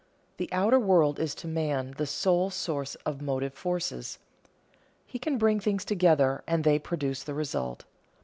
The outer world is to man the sole source of motive forces. He can bring things together and they produce the result.